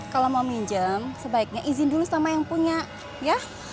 kalau mau minjem sebaiknya izin dulu sama yang punya ya